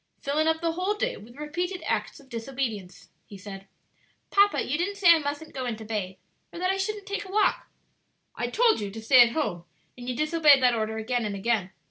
"Filling up the whole day with repeated acts of disobedience," he said. "Papa, you didn't say I mustn't go in to bathe, or that I shouldn't take a walk." "I told you to stay at home, and you disobeyed that order again and again.